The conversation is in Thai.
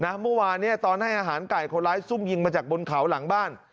เมื่อวานเนี่ยตอนให้อาหารไก่คนร้ายซุ่มยิงมาจากบนเขาหลังบ้าน